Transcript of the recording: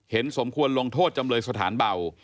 สมควรลงโทษจำเลยสถานเบา